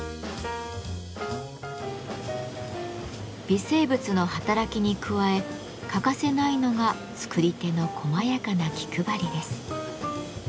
微生物の働きに加え欠かせないのが作り手のこまやかな気配りです。